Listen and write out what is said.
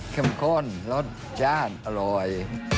ข้นรสชาติอร่อย